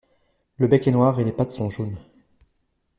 Le bec est noir et les pattes sont jaunes.